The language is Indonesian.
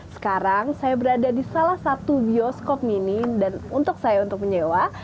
sekarang saya berada di salah satu bioskop minim dan untuk saya untuk menyewa